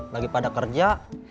lagi pada kerja